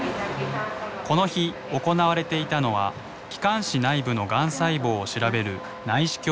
この日行われていたのは気管支内部のがん細胞を調べる内視鏡検査。